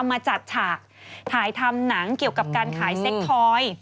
มาจัดฉากถ่ายทำหนังเกี่ยวกับการขายเซ็กทอย